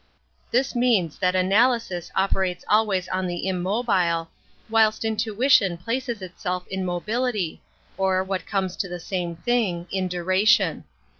This means that analysis operates always on the immobile, whilst intuition places it self in mobility, or, what comes to the same thing, in duration.